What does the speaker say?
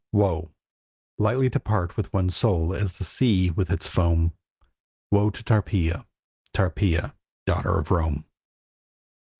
Woe: lightly to part with one's soul as the sea with its foam! Woe to Tarpeia, Tarpeia, daughter of Rome!